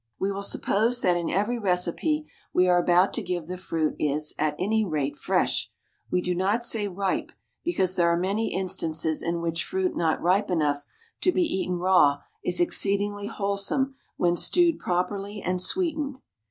We will suppose that in every recipe we are about to give the fruit is at any rate fresh; we do not say ripe, because there are many instances in which fruit not ripe enough to be eaten raw is exceedingly wholesome when stewed properly and sweetened.